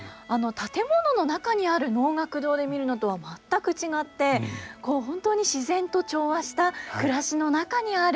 建物の中にある能楽堂で見るのとは全く違って本当に自然と調和した暮らしの中にある能舞台なんですね。